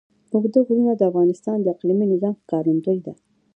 اوږده غرونه د افغانستان د اقلیمي نظام ښکارندوی ده.